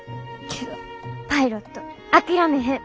けどパイロット諦めへん。